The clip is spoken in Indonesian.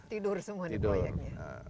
tidur semua nih proyeknya